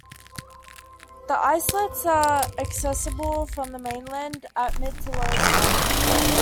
The islets are accessible from the mainland at mid-to low tide.